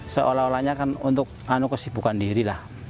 seolah olahnya kan untuk kesibukan diri lah